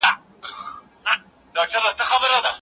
زه به جهاني له غزلونو سره هېر یمه